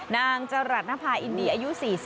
นางจรัสนภาอินดีอายุ๔๐